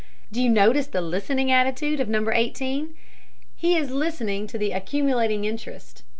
Do you notice the listening attitude of No. 18? He is listening to the accumulating interest.